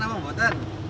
ya mutan apa mutan